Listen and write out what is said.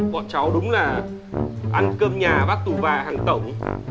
bọn cháu đúng là ăn cơm nhà bác tù và hàng tổng